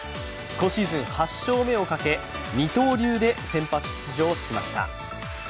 今シーズン８勝目をかけ二刀流で先発出場しました。